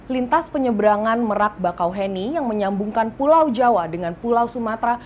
lintas penyeberangan merak bakauheni yang menyambungkan pulau jawa dengan pulau sumatera